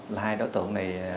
là hai đối tượng này